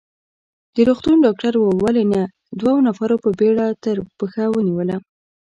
د روغتون ډاکټر وویل: ولې نه، دوو نفرو په بېړه تر پښه ونیولم.